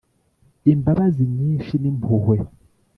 imbabazi nyinshi n’impuhwe